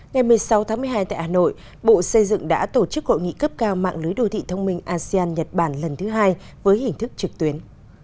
ngày một mươi sáu tháng một mươi hai tại hà nội bộ xây dựng đã tổ chức hội nghị cấp cao mạng lưới đô thị thông minh asean nhật bản lần thứ hai với hình thức trực tuyến